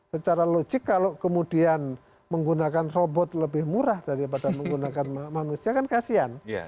secara logik kalau kemudian menggunakan robot lebih murah daripada menggunakan manusia kan kasian